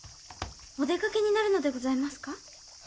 お出かけになるのでございますか？